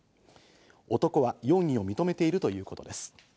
男は容疑を認めているということです。